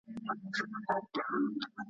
د اورګاډي سفر د موټر د سفر په نسبت خوندي دی.